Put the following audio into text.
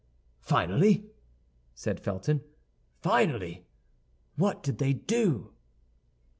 "Finally," said Felton, "finally, what did they do?"